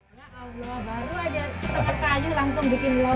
ya allah baru aja setengah kayu langsung bikin lot